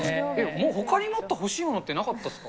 もうほかにもっと欲しいものってなかったっすか？